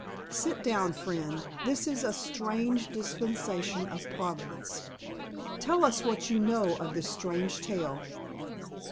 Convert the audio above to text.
Sit down, friend, this is a strange dispensation of Providence. Tell us what you know of this strange tale."